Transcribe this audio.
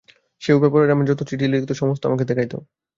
সেও বাপকে যত চিঠি লিখিত সমস্ত আমাকে দেখাইত।